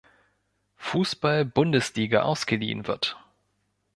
Fußball-Bundesliga ausgeliehen wird.